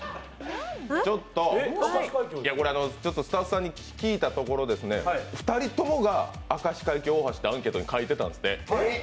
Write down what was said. スタッフさんに聞いたところ、２人ともが明石海峡大橋ってアンケートに書いてたんですって。